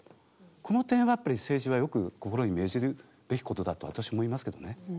この点はやっぱり政治はよく心に銘じるべきことだと私思いますけどね。